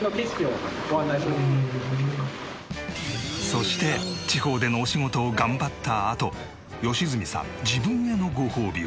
そして地方でのお仕事を頑張ったあと良純さん自分へのごほうびは？